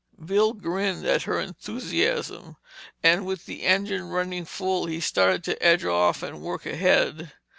Bill grinned at her enthusiasm, and with the engine running full, he started to edge off and work ahead.